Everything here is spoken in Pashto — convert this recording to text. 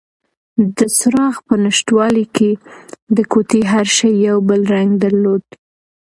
د څراغ په نشتوالي کې د کوټې هر شی یو بل رنګ درلود.